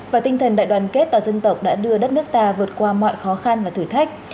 và tinh thần đại đoàn kết toàn dân tộc đã đưa đất nước ta vượt qua mọi khó khăn và thử thách